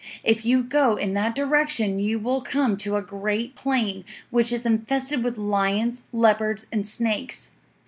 If you go in that direction you will come to a great plain, which is infested with lions, leopards, and snakes.